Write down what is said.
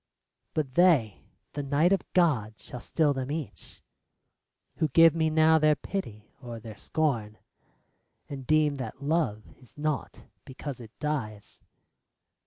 But they — the night of God shall still them each Who give me now their pity or their scorn, And deem that love is naught because it dies.